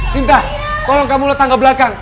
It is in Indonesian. sinta tolong kamu letak ke belakang